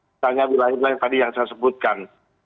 sisanya wilayah wilayah yang tadi saya sebutkan